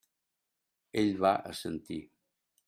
Ell va assentir.